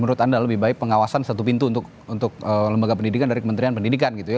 menurut anda lebih baik pengawasan satu pintu untuk lembaga pendidikan dari kementerian pendidikan gitu ya